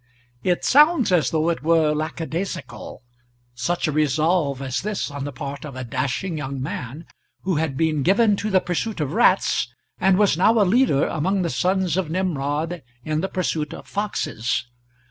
It sounds as though it were lack a daisical such a resolve as this on the part of a dashing young man, who had been given to the pursuit of rats, and was now a leader among the sons of Nimrod in the pursuit of foxes.